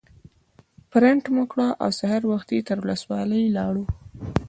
پرنټ مو کړ او سهار وختي تر ولسوالۍ لاړو.